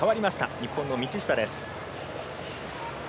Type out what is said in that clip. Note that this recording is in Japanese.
日本の道下です。